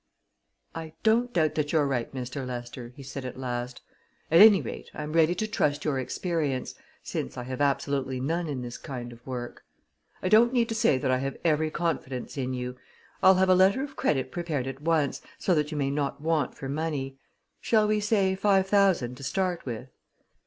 "I don't doubt that you're right, Mr. Lester," he said at last. "At any rate, I'm ready to trust your experience since I have absolutely none in this kind of work. I don't need to say that I have every confidence in you. I'll have a letter of credit prepared at once, so that you may not want for money shall we say five thousand to start with?"